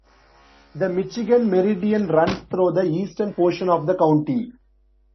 The Michigan Meridian runs through the eastern portion of the county.